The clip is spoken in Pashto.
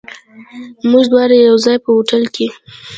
موږ دواړه یو ځای، په هوټل کې.